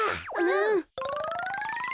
うん！